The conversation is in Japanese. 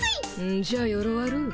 んじゃよろわる。